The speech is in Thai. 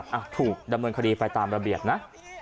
ก็แค่มีเรื่องเดียวให้มันพอแค่นี้เถอะ